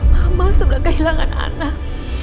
mama sudah kehilangan anak